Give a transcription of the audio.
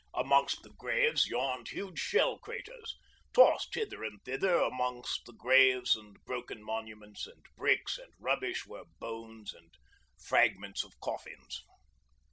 Amongst the graves yawned huge shell craters; tossed hither and thither amongst the graves and broken monuments and bricks and rubbish were bones and fragments of coffins.